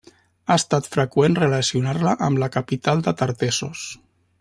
Ha estat freqüent relacionar-la amb la capital de Tartessos.